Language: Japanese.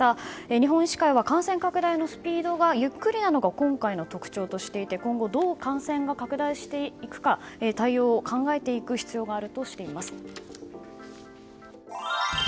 日本医師会は感染拡大のスピードがゆっくりなのが今回の特徴としていて今後、どう感染が拡大していくか対応を考えていく必要があるとしています。